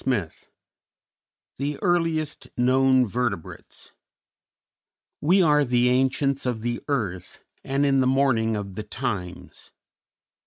] II THE EARLIEST KNOWN VERTEBRATES "_We are the ancients of the earth And in the morning of the times.